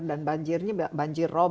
dan banjirnya banjir rom